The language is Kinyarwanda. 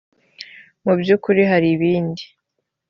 mu by ukuri hari ibindi